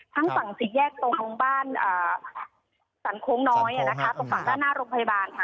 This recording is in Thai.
ทั้งฝั่งศรีแยกตรงบ้านสันโค้งน้อยตรงฝั่งด้านหน้าโรงพยาบาล